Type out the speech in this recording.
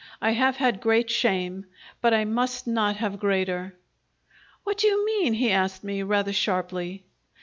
I have had great shame, but I must not have greater." "What do you mean?" he asked me rather sharply.